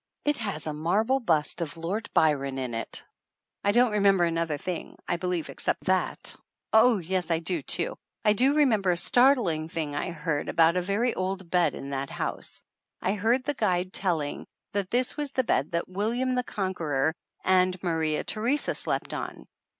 It has a marble bust of Lord Byron in it! I don't remember another thing, I believe, except that ! Oh yes, I do, too ! I do remember a startling thing I heard about a very old bed in that house. I heard the guide telling that this was the bed that William the Conqueror and Maria Theresa slept on